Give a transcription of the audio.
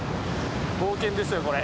冒険ですよこれ。